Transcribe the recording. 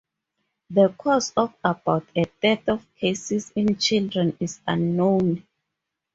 The cause of about a third of cases in children is unknown.